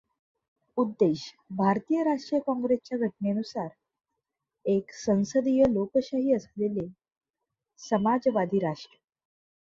उद्देश भारतीय राष्ट्रीय काँग्रेसच्या घटनेनुसार, एक संसदीय लोकशाही असलेले समाजवादी राष्ट्र